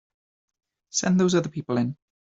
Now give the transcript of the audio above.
Send those other people in.